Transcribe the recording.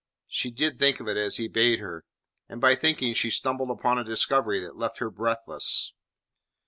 She did think of it as he bade her. And by thinking she stumbled upon a discovery that left her breathless.